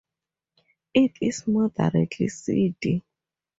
It is moderately seedy.